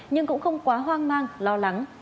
nhưng cũng không quá hoang mang lo lắng